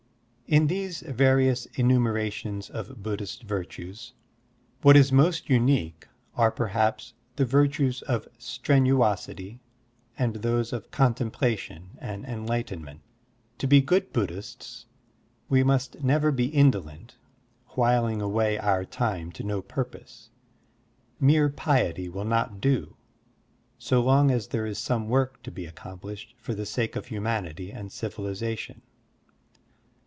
In these various enumerations of Buddhist virtues, what is most unique are perhaps the virtues of strenuosity and those of contemplation and enlightenment. To be good Buddhists, we must never be indolent, whiling away our time to no purpose. Mere piety will not do, so long as there is some work to be accomplished for the sake of humanity and civilization.